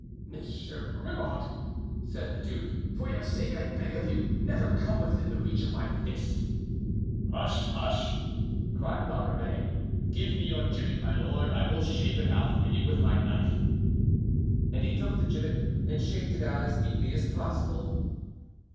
"Monsieur Grimaud!" said the duke, "for your sake I beg of you, never come within the reach of my fist!" "Hush! hush!" cried La Ramee, "give me your gibbet, my lord. I will shape it out for you with my knife." And he took the gibbet and shaped it out as neatly as possible.